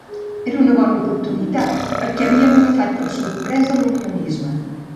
Era una bona oportunitat perquè havíem agafat per sorpresa l’unionisme.